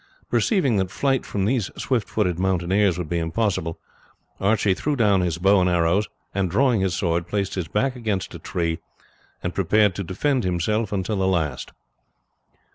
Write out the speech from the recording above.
Perceiving that flight from these swift footed mountaineers would be impossible, Archie threw down his bow and arrows, and, drawing his sword, placed his back against a tree, and prepared to defend himself until the last.